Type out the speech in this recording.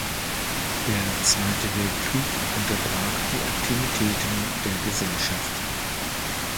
Der Zweite Weltkrieg unterbrach die Aktivitäten der Gesellschaft.